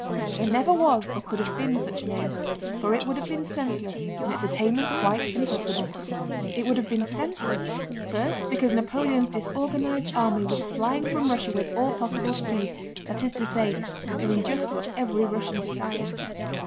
There never was or could have been such an aim, for it would have been senseless and its attainment quite impossible. It would have been senseless, first because Napoleon's disorganized army was flying from Russia with all possible speed, that is to say, was doing just what every Russian desired.